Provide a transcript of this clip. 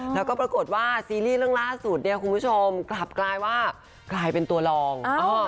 แล้วก็ปรากฏว่าซีรีส์เรื่องล่าสุดเนี่ยคุณผู้ชมกลับกลายว่ากลายเป็นตัวรอง